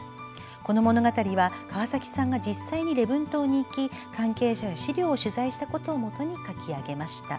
この物語は河崎さんが実際に礼文島に行き関係者や資料を取材したことをもとに書き上げました。